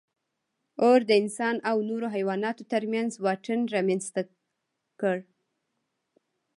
اور د انسان او نورو حیواناتو تر منځ واټن رامنځ ته کړ.